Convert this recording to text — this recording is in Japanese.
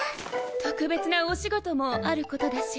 特別なお仕事もあることだし。